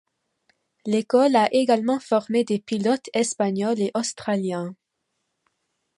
L'école a également formé des pilotes espagnols et australiens.